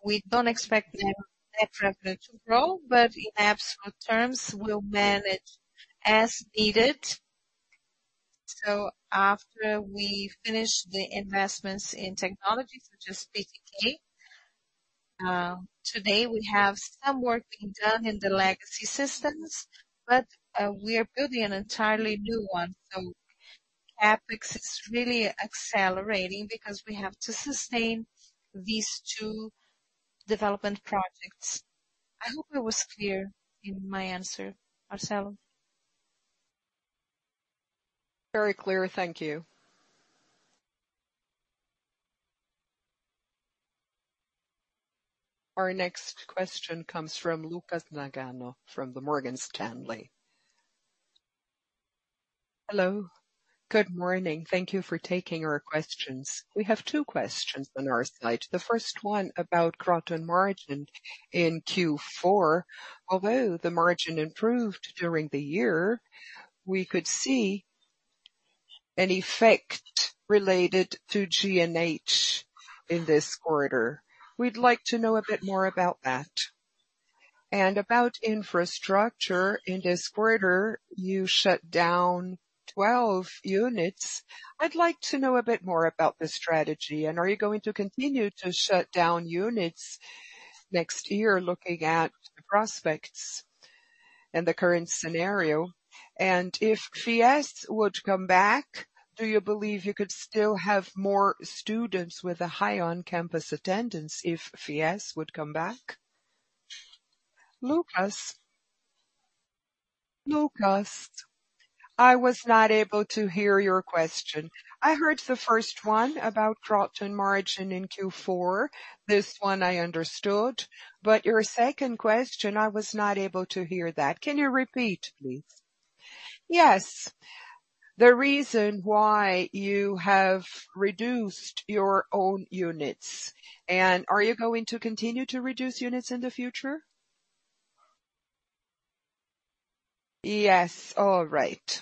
we don't expect net revenue to grow, but in absolute terms we'll manage as needed. After we finish the investments in technology, such as BTK, today we have some work being done in the legacy systems, but we are building an entirely new one. CapEx is really accelerating because we have to sustain these two development projects. I hope I was clear in my answer, Marcelo. Very clear. Thank you. Our next question comes from Lucas Nagano from the Morgan Stanley. Hello. Good morning. Thank you for taking our questions. We have two questions on our side. The first one about Kroton margin in Q4. Although the margin improved during the year, we could see an effect related to G&A in this quarter. We'd like to know a bit more about that. About infrastructure. In this quarter, you shut down 12 units. I'd like to know a bit more about the strategy. Are you going to continue to shut down units next year, looking at the prospects and the current scenario? If FIES would come back, do you believe you could still have more students with a high on-campus attendance if FIES would come back? Lucas? Lucas, I was not able to hear your question. I heard the first one about Kroton margin in Q4. This one I understood. Your second question, I was not able to hear that. Can you repeat, please? Yes. The reason why you have reduced your own units, are you going to continue to reduce units in the future? Yes. All right.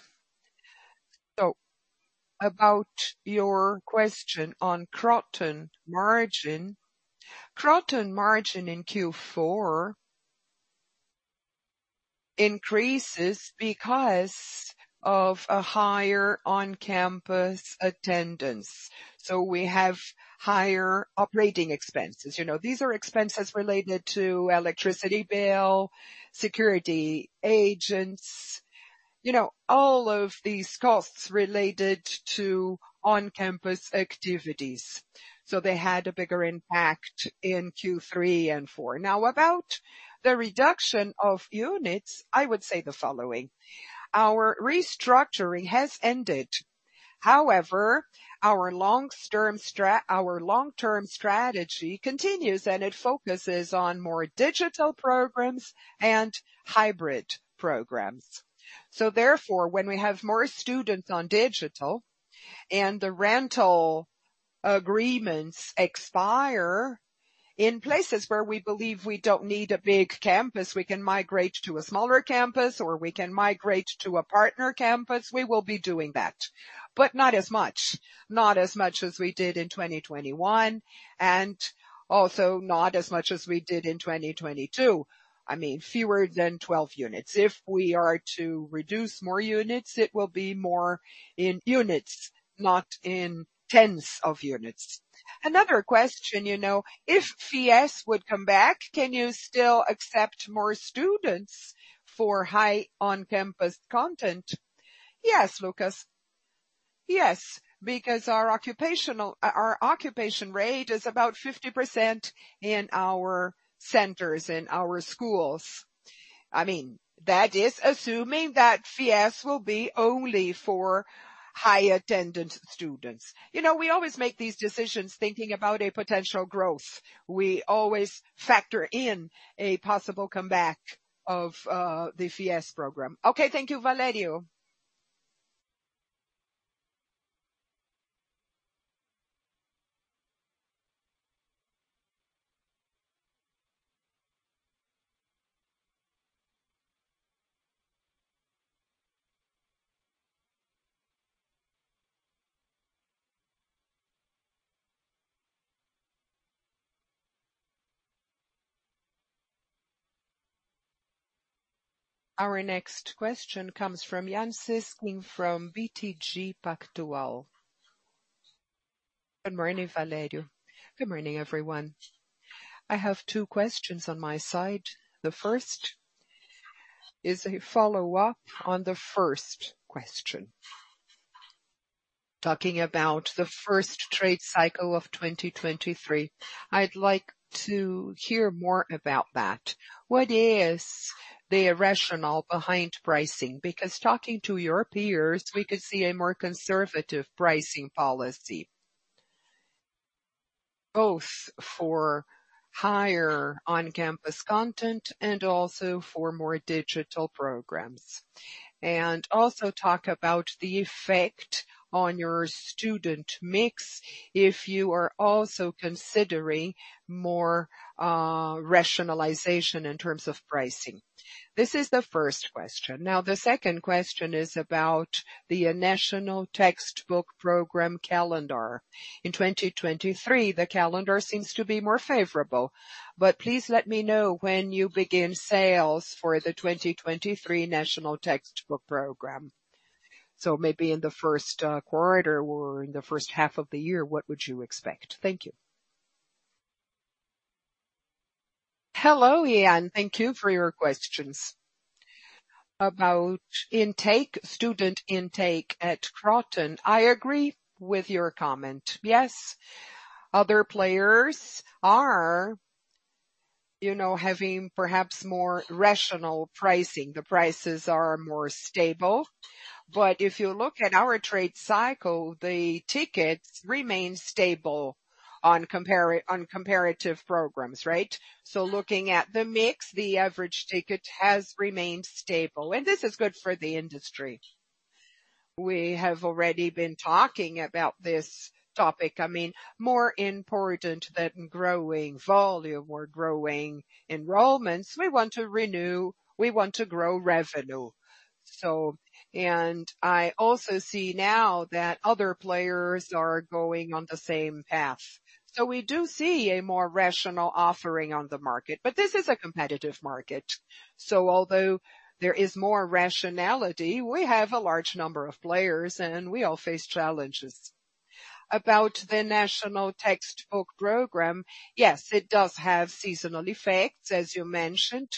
About your question on Kroton margin. Kroton margin in Q4 increases because of a higher on-campus attendance. We have higher operating expenses. You know, these are expenses related to electricity bill, security agents, you know, all of these costs related to on-campus activities. They had a bigger impact in Q3 and Q4. About the reduction of units, I would say the following: Our restructuring has ended. Our long-term strategy continues, and it focuses on more digital programs and hybrid programs. When we have more students on digital and the rental agreements expire in places where we believe we don't need a big campus, we can migrate to a smaller campus, or we can migrate to a partner campus. We will be doing that, but not as much. Not as much as we did in 2021, and also not as much as we did in 2022. I mean, fewer than 12 units. If we are to reduce more units, it will be more in units, not in tens of units. Another question, you know. If FIES would come back, can you still accept more students for high on-campus content? Yes, Lucas. Yes, because our occupation rate is about 50% in our centers, in our schools. I mean, that is assuming that FIES will be only for high-attendance students. You know, we always make these decisions thinking about a potential growth. We always factor in a possible comeback of the FIES program. Okay. Thank you, Valerio. Our next question comes from Jan Sisking from BTG Pactual. Good morning, Valerio. Good morning, everyone. I have two questions on my side. The first is a follow-up on the first question, talking about the first trade cycle of 2023. I'd like to hear more about that. What is the rationale behind pricing? Talking to your peers, we could see a more conservative pricing policy, both for higher on-campus content and also for more digital programs. Also talk about the effect on your student mix if you are also considering more rationalization in terms of pricing. This is the first question. The second question is about the National Textbook Program calendar. In 2023, the calendar seems to be more favorable. Please let me know when you begin sales for the 2023 National Textbook Program. Maybe in the first quarter or in the first half of the year, what would you expect? Thank you. Hello, Jan. Thank you for your questions. About intake, student intake at Kroton, I agree with your comment. Yes, other players are, you know, having perhaps more rational pricing. The prices are more stable. If you look at our trade cycle, the tickets remain stable on comparative programs, right? Looking at the mix, the average ticket has remained stable, and this is good for the industry. We have already been talking about this topic. I mean, more important than growing volume or growing enrollments, we want to renew, we want to grow revenue. I also see now that other players are going on the same path. We do see a more rational offering on the market. This is a competitive market, so although there is more rationality, we have a large number of players, and we all face challenges. About the National Textbook Program. Yes, it does have seasonal effects, as you mentioned,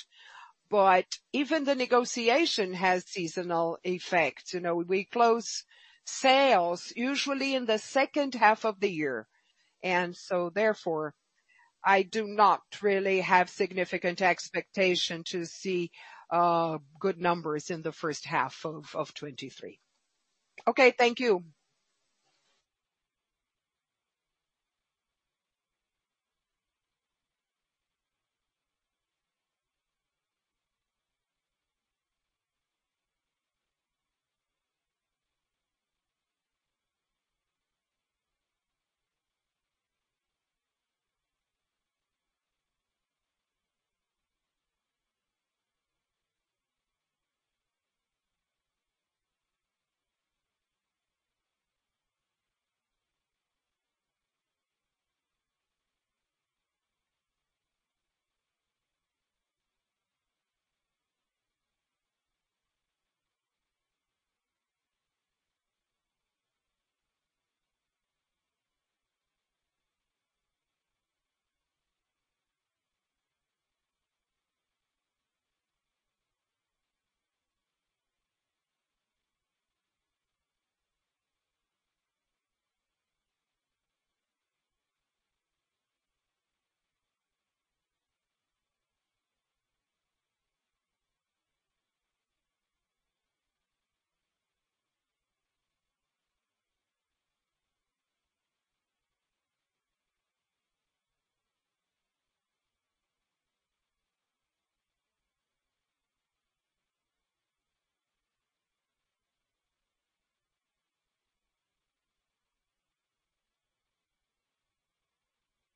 but even the negotiation has seasonal effects. You know, we close sales usually in the second half of the year. Therefore, I do not really have significant expectation to see good numbers in the first half of 2023. Okay. Thank you.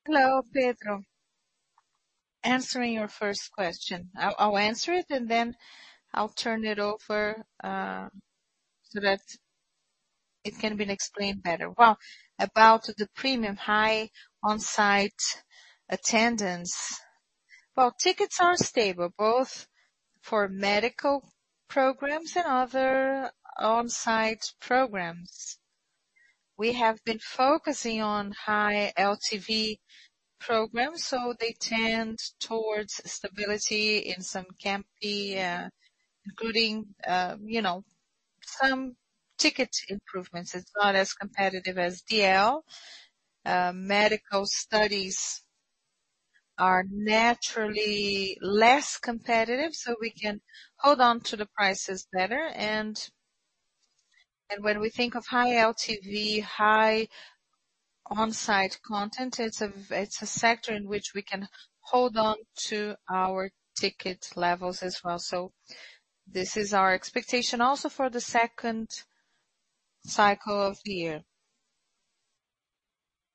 Hello, Mario. Answering your first question. I'll answer it, and then I'll turn it over, so that it can be explained better. About the premium high on-site attendance. Tickets are stable, both for medical programs and other on-site programs. We have been focusing on high LTV programs, so they tend towards stability in some campy, including, you know, some ticket improvements. It's not as competitive as DL. Medical studies are naturally less competitive, so we can hold on to the prices better. And when we think of high LTV, high on-site content, it's a sector in which we can hold on to our ticket levels as well. This is our expectation also for the second cycle of the year.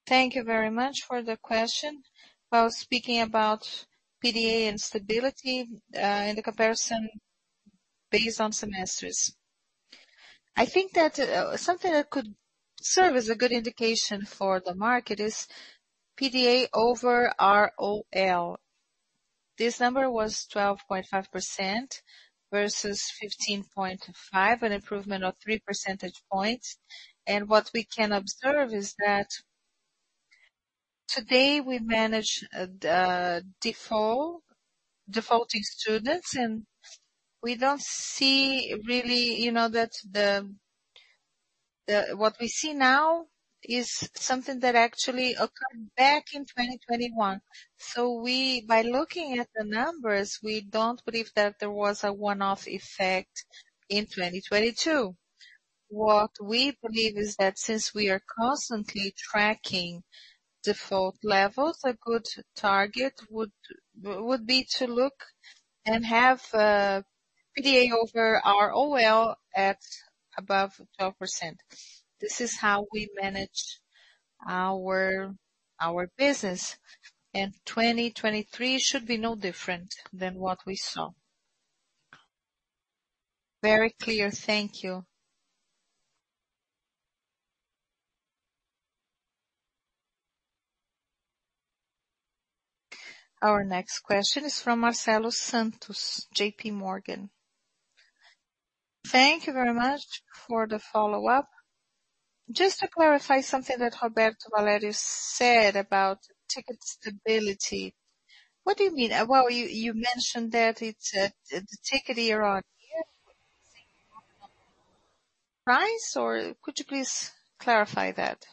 Thank you very much for the question. While speaking about PDA and stability, and the comparison based on semesters. I think that something that could serve as a good indication for the market is PDA over ROL. This number was 12.5% versus 15.5%. An improvement of 3 percentage points. What we can observe is that today we manage, default, defaulting students, and we don't see really, you know, what we see now is something that actually occurred back in 2021. By looking at the numbers, we don't believe that there was a one-off effect in 2022. What we believe is that since we are constantly tracking default levels, a good target would be to look and have PDA over ROL at above 12%. This is how we manage our business. 2023 should be no different than what we saw. Very clear. Thank you. Our next question is from Marcelo Santos, JPMorgan. Thank you very much for the follow-up. Just to clarify something that Roberto Valerio said about ticket stability. What do you mean? Well, you mentioned that it's the ticket year-on-year price, or could you please clarify that?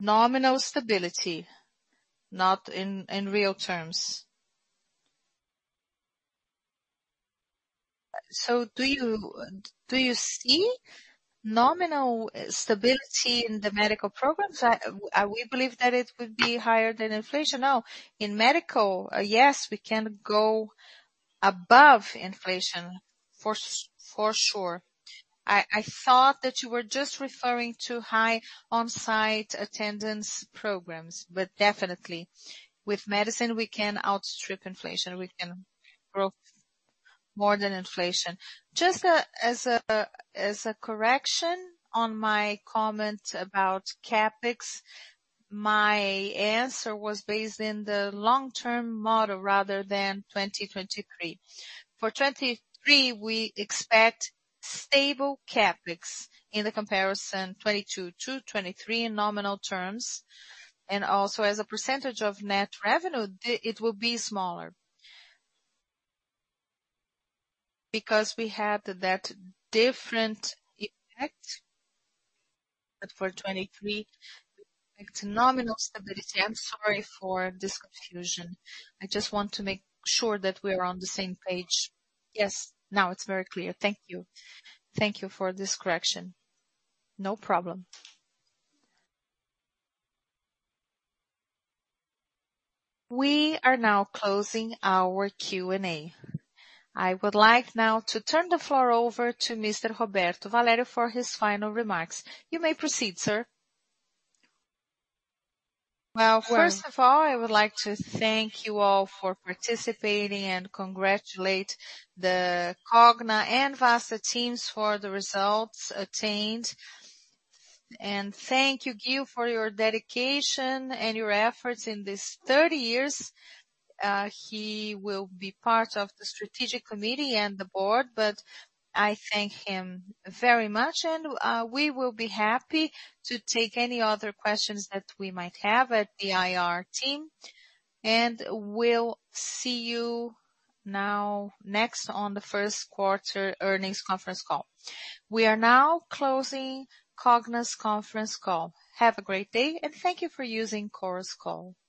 Nominal stability, not in real terms. So do you see nominal stability in the medical programs? We believe that it would be higher than inflation. No, in medical, yes, we can go above inflation for sure. I thought that you were just referring to high on-site attendance programs, but definitely with medicine we can outstrip inflation, we can grow more than inflation. Just as a, as a correction on my comment about CapEx, my answer was based in the long-term model rather than 2023. For 2023, we expect stable CapEx in the comparison 2022 to 2023 in nominal terms, and also as a % of net revenue, it will be smaller. Because we had that different effect, but for 2023 it's nominal stability. I'm sorry for this confusion. I just want to make sure that we're on the same page. Yes. Now it's very clear. Thank you. Thank you for this correction. No problem. We are now closing our Q&A. I would like now to turn the floor over to Mr. Roberto Valerio for his final remarks. You may proceed, sir. Well, first of all, I would like to thank you all for participating and congratulate the Cogna and Vasta teams for the results attained. Thank you, Gil, for your dedication and your efforts in this 30 years. He will be part of the strategic committee and the board, I thank him very much. We will be happy to take any other questions that we might have at the IR team. We'll see you now next on the first quarter earnings conference call. We are now closing Cogna's conference call. Have a great day, and thank you for using Chorus Call.